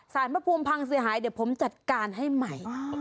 พระภูมิพังเสียหายเดี๋ยวผมจัดการให้ใหม่